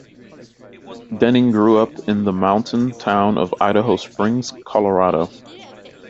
Denning grew up in the mountain town of Idaho Springs, Colorado.